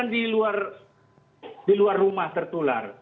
di luar rumah tertular